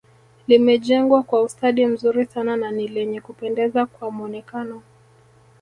Limejengwa kwa ustadi mzuri sana na ni lenye Kupendeza kwa mwonekano